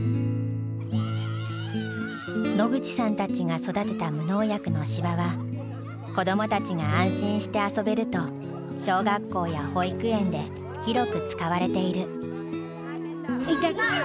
野口さんたちが育てた無農薬の芝は子どもたちが安心して遊べると小学校や保育園で広く使われている。